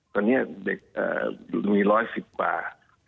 ตอนนี้เด็กมี๑๑๐กว่า